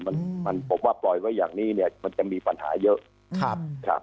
ผมว่าปล่อยไว้อย่างนี้เนี่ยมันจะมีปัญหาเยอะ